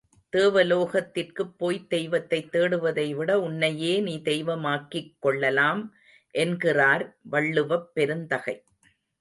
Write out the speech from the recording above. தேவலோகத்திற்குப் போய்த் தெய்வத்தைத் தேடுவதை விட உன்னையே நீ தெய்வமாக்கிக் கொள்ளலாம் என்கிறார் வள்ளுவப் பெருந்தகை.